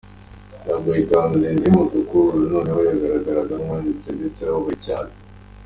Yambaye ikanzu ndende y’umutuku, Lulu noneho yagaragaraga nk’uwahahamutse ndetse ababaye cyane.